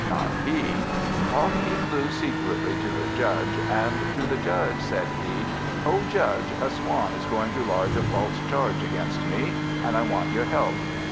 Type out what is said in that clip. Not he; off he flew secretly to the Judge, and to the Judge said he "O Judge, a Swan is going to lodge a false charge against me, and I want your help!"